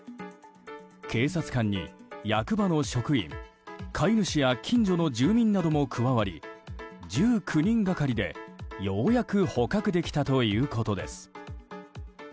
警察官に役場の職員、飼い主や近所の住民なども加わり１９人がかりで、ようやく捕獲できたということです。